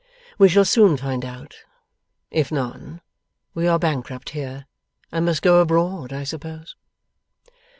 We shall soon find out. If none, we are bankrupt here, and must go abroad, I suppose.